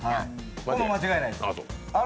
これは間違いないです。